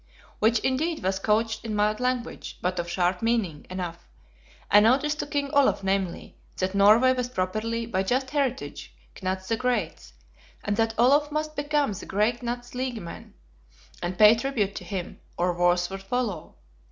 Which indeed was couched in mild language, but of sharp meaning enough: a notice to King Olaf namely, That Norway was properly, by just heritage, Knut the Great's; and that Olaf must become the great Knut's liegeman, and pay tribute to him, or worse would follow.